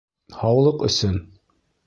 Һаулыҡ өсөн!